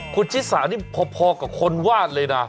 คุณชิสานี่พอกับคนวาดเลยนะ